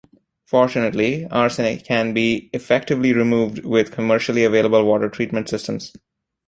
Fortunately, arsenic can be effectively removed with commercially available water-treatment systems.